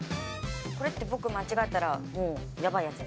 これって僕間違えたらもうやばいやつですよね？